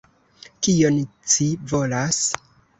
Kion ci volas?